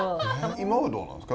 今はどうなんですか？